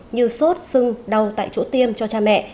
như sốt sưng đau tại chỗ tiêm cho cha mẹ